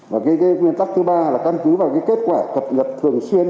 và cái nguyên tắc thứ ba là căn cứ vào cái kết quả cập nhật thường xuyên